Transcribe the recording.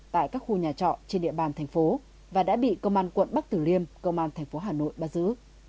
tại các khu nhà trọ trên địa bàn thành phố và đã bị công an quận bắc tử liêm công an tp hà nội bắt giữ